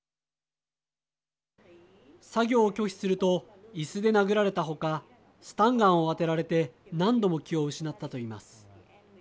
作業を拒否するといすで殴られた他スタンガンを当てられて何度も気を失ったといいます。